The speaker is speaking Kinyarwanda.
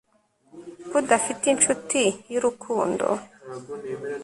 ko udafite inshuti y'urukundo